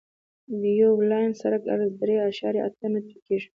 د یو لاین سرک عرض درې اعشاریه اته متره کیږي